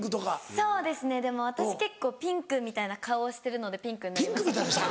そうですねでも私結構ピンクみたいな顔をしてるのでピンクになりました。